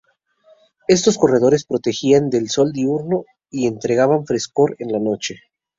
Estos corredores protegían del sol diurno y entregaban frescor en la noche.